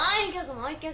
もう１曲。